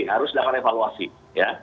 harus sedangkan evaluasi ya